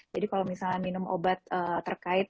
jadi kalau misalnya minum obat terkait